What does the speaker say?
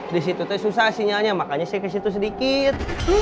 disitu susah sinyalnya makanya saya kesitu sedikit